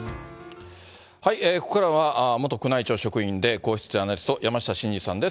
ここからは、元宮内庁職員で、皇室ジャーナリスト、山下晋司さんです。